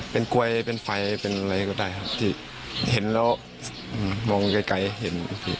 เป็นกลวยเป็นไฟเป็นอะไรก็ได้ครับที่เห็นแล้วมองไกลเห็น